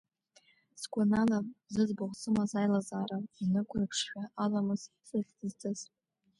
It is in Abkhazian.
Сгәанала, зыӡбахә сымаз аилазаара, инықәрԥшшәа Аламыс зыхьӡысҵаз.